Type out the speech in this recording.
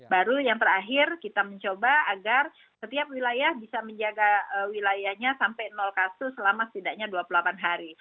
baru yang terakhir kita mencoba agar setiap wilayah bisa menjaga wilayahnya sampai kasus selama setidaknya dua puluh delapan hari